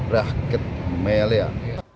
rumah sakit militer